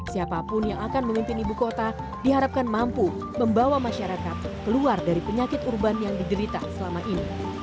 siapapun yang akan memimpin ibu kota diharapkan mampu membawa masyarakat keluar dari penyakit urban yang diderita selama ini